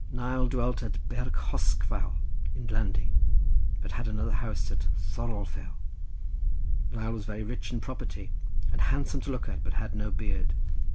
Nial dwelt at Bergthorshvâl in Landey, but had another house at Thorolfell. Nial was very rich in property and handsome to look at, but had no beard.